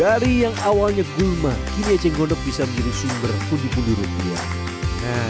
dari yang awalnya gulma kiri eceng gondok bisa menjadi sumber kundi kundi rupiah nah